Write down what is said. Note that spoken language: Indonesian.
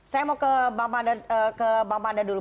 saya mau ke bang panda dulu